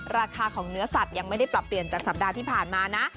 ราคาของเนื้อสัตว์ยังไม่ได้ปรับเปลี่ยนจากสัปดาห์ที่ผ่านมานะ